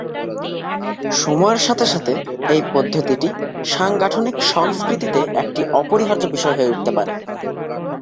সময়ের সাথে সাথে, এই পদ্ধতিটি সাংগঠনিক সংস্কৃতিতে একটি অপরিহার্য বিষয় হয়ে উঠতে পারে।